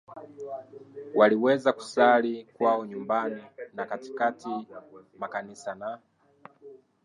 waliweza kusali kwao nyumbani na katika makanisa na